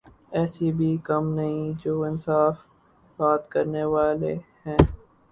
ایسے بھی کم نہیں جو انصاف کی بات کرنے والے ہیں۔